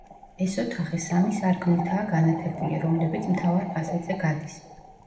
ეს ოთახი სამი სარკმლითაა განათებული, რომლებიც მთავარ ფასადზე გადის.